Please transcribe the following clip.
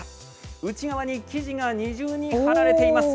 内側に生地が二重に張られています。